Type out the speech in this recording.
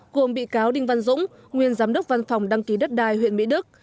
gồm bị cáo đinh văn dũng nguyên giám đốc văn phòng đăng ký đất đai huyện mỹ đức